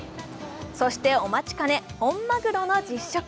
そしてお待ちかね本まぐろの実食。